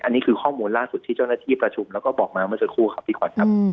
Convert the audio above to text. อันนี้คือข้อมูลล่าสุดที่เจ้าหน้าที่ประชุมแล้วก็บอกมาเมื่อสักครู่ครับพี่ขวัญครับ